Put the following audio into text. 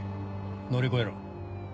乗り越えろ。